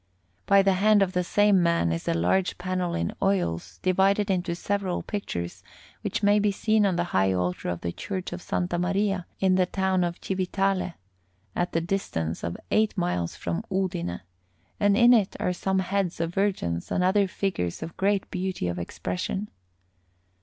By the hand of the same man is a large panel in oils, divided into several pictures, which may be seen on the high altar of the Church of S. Maria in the town of Civitale, at a distance of eight miles from Udine; and in it are some heads of virgins and other figures with great beauty of expression.